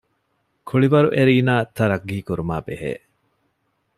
ކުޅިވަރު އެރީނާ ތަރައްޤީކުރުމާ ބެހޭ